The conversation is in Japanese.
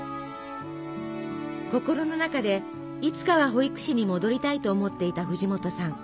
心の中でいつかは保育士に戻りたいと思っていた藤本さん。